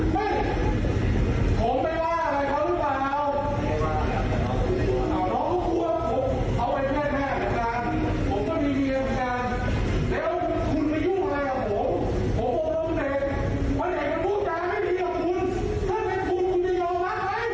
แม่ยิ่งใหญ่จังเลยนะ